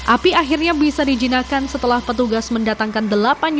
api akhirnya bisa dijinakan setelah petugas mendatangkan